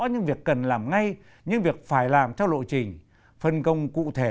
những việc cần làm ngay những việc phải làm theo lộ trình phân công cụ thể